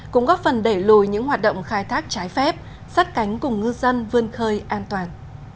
cũng góp phần đẩy lùi những hoạt động khai thác trái phép sát cánh cùng ngư dân vươn khơi an toàn